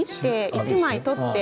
１枚、取って。